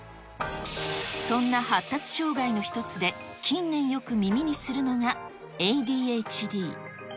そんな発達障害の一つで、近年よく耳にするのが、ＡＤＨＤ。